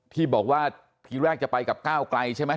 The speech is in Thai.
ที่บอกว่าทีแรกจะไปกับก้าวไกลใช่ไหม